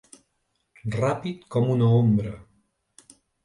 Ràpid com una ombra.